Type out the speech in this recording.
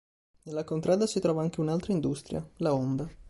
Nella contrada si trova anche un'altra industria, la Honda.